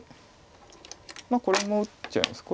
これも打っちゃいます。